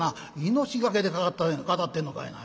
「命懸けで語ってんのかいな。